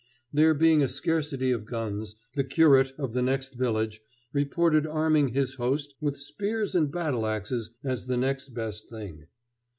There being a scarcity of guns, the curate of the next village reported arming his host with spears and battle axes as the next best thing.